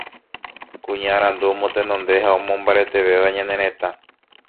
kuña arandu omotenonde ha omomombaretéva ñane retã